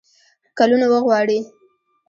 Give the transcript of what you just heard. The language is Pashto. کلونو وغواړي.